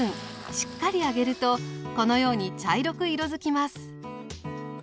しっかり揚げるとこのように茶色く色づきます。